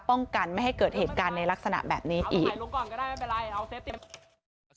ป้องกันไม่ให้เกิดเหตุการณ์ในลักษณะแบบนี้อีก